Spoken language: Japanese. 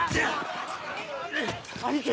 兄貴！